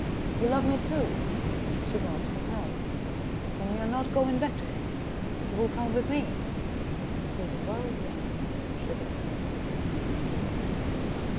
"You love me, too?" She bowed her head. " Then you are not going back to him ? You will come with me ?"" To the world's end," she whispered.